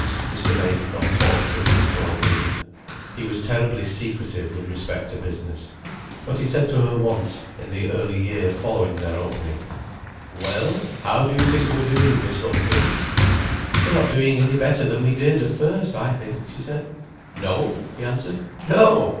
Mr. May did not talk business to Alvina. He was terribly secretive with respect to business. But he said to her once, in the early year following their opening: "Well, how do you think we're doing, Miss Houghton?" "We're not doing any better than we did at first, I think," she said. "No," he answered. "No!